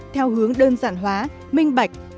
theo hướng đơn giản hóa minh bạch